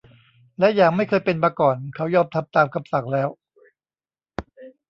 และอย่างไม่เคยเป็นมาก่อน เขายอมทำตามคำสั่งแล้ว